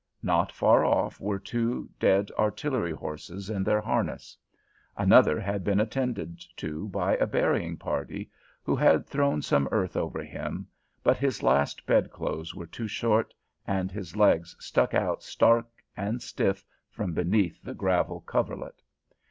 Not far off were two dead artillery horses in their harness. Another had been attended to by a burying party, who had thrown some earth over him but his last bed clothes were too short, and his legs stuck out stark and stiff from beneath the gravel coverlet.